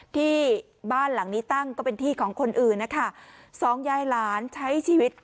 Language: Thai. ที่บ้านหลังนี้ตั้งก็เป็นที่ของคนอื่นนะคะสองยายหลานใช้ชีวิต